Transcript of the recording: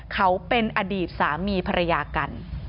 เขาเป็นอดีตสามีภรรยากัน